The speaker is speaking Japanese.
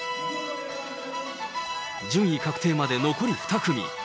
順位確定まで残り２組。